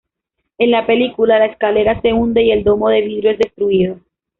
En la película, la escalera se hunde y el domo de vidrio es destruido.